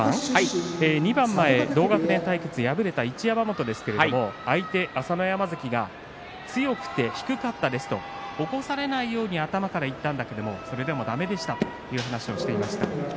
２番前に、同学年対決に敗れた一山本ですが相手、朝乃山関が強くて低かったですと起こされないように頭からいったんだけどもそれでもだめでしたという話をしていました。